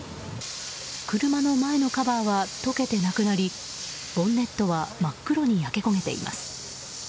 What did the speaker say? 車の前のカバーは溶けてなくなりボンネットは真っ黒に焼け焦げています。